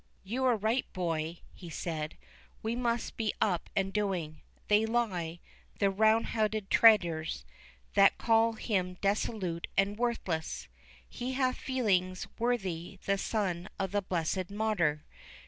"You are right, boy," he said, "we must be up and doing. They lie, the roundheaded traitors, that call him dissolute and worthless! He hath feelings worthy the son of the blessed Martyr.